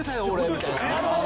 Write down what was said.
みたいな。